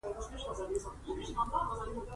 پلستر دېوال د محکموالي سبب کیږي په پښتو ژبه.